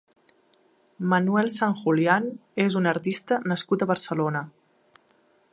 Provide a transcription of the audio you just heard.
Manuel Sanjulián és un artista nascut a Barcelona.